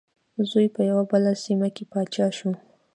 زوی په یوه بله سیمه کې پاچا شو.